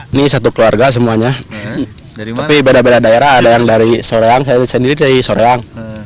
ini satu keluarga semuanya tapi beda beda daerah ada yang dari soreang saya sendiri dari soreang